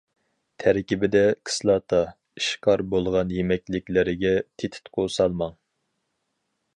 تەركىبىدە كىسلاتا، ئىشقار بولغان يېمەكلىكلەرگە تېتىتقۇ سالماڭ.